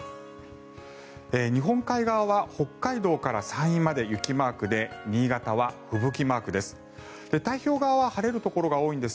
日本海側は北海道から山陰まで雪マークで新潟は吹雪マークです。